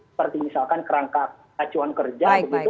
seperti misalkan kerangka acuan kerja begitu